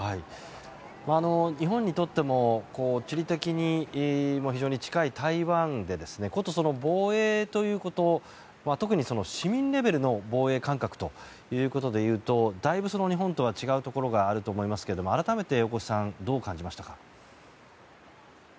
日本にとっても地理的に非常に近い台湾で、防衛ということ特に市民レベルの防衛感覚ということでいうとだいぶ日本とは違うところがあると思いますけども改めて、大越さんどう感じましたか？